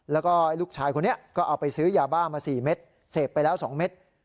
แล้วก็ลูกชายคนนี้ก็เอาไปซื้อยาบ้ามา๔เม็ดเสพไปแล้ว๒เม็ด